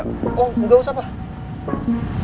oh gak usah pak